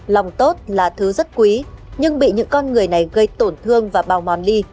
lòng tốt là thứ rất quý nhưng bị những con người này gây tổn thương và bào mòn ly